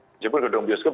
walaupun gedung bioskop